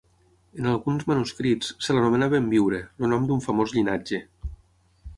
En alguns manuscrits se l'anomena Benviure, el nom d'un famós llinatge.